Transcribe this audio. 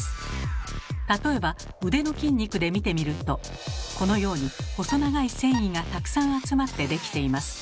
例えば腕の筋肉で見てみるとこのように細長い線維がたくさん集まってできています。